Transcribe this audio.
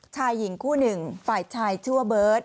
ชายหญิงคู่หนึ่งฝ่ายชายชื่อว่าเบิร์ต